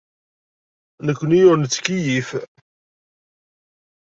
Nekkni ur nettkeyyif.